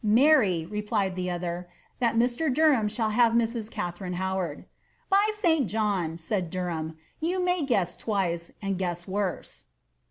■* Marry,'' replied the other, ^ that Mr. Derham shall have Mrs. Ka tharine Howard.'' <^By St. John."' said Derham, "you may gaess twice, and guess worse."